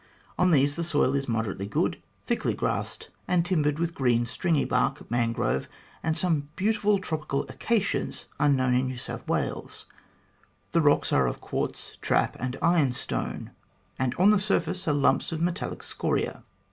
On these the soil is moderately good, thickly grassed, and timbered with green, stringy bark, mangrove, and some beautiful tropical acacias unknown in New South Wales. The rocks are of quartz, trap, and iron stone ; and on the surface are lumps of metallic scoria.